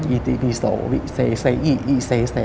อิติปิโสวิเซเซอิอิเซเซ